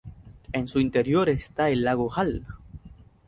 En su interior está el lago Hall.